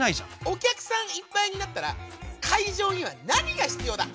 お客さんいっぱいになったら会場にはなにが必要だ？